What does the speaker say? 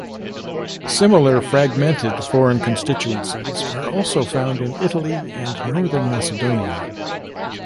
Similar "fragmented" foreign constituencies are also found in Italy and Northern Macedonia.